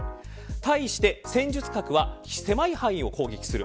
対して、戦術核は狭い範囲を攻撃する。